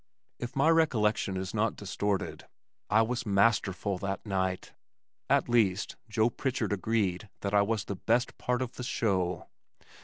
If my recollection is not distorted, I was masterful that night at least, Joe Pritchard agreed that I was "the best part of the show."